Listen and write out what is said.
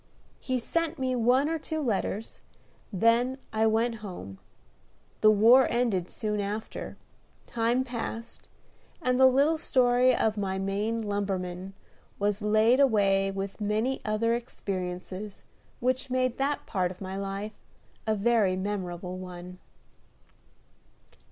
He sent me one or two letters, then I went home; the war ended soon after, time passed, and the little story of my Maine lumberman was laid away with many other experiences which made that part of my life a very memorable one.